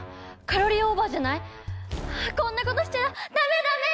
カロリーオーバーじゃない？はこんなことしちゃダメダメ。